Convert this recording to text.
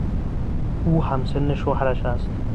او همسن شوهرش است.